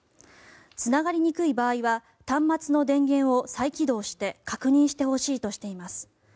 つながりにくい場合は端末の電源を再起動して確認してほしいとしています。